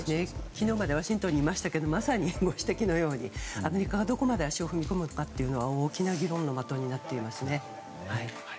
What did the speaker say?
昨日までワシントンにいましたけどまさにご指摘のようにアメリカがどこまで足を踏み込むかは、大きな議論の的になっていますね。